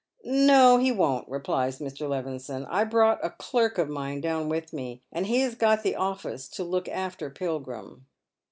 " No, he won't," replies Mr. Levison. " I brought a clerk of mine down with me, and he has got the office to look after Pilgrim."